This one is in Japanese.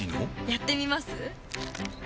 やってみます？